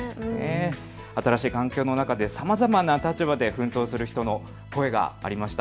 新しい環境の中でさまざまな立場で奮闘する人の声がありました。